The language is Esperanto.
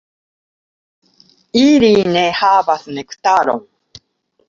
Ili ne havas nektaron.